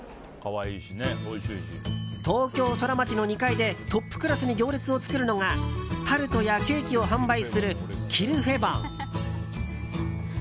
東京ソラマチの２階でトップクラスに行列を作るのがタルトやケーキを販売するキルフェボン。